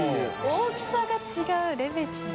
大きさが違うレベチだ。